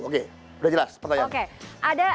oke sudah jelas pertanyaan